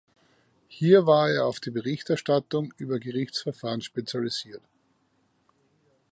Hier war er auf die Berichterstattung über Gerichtsverfahren spezialisiert.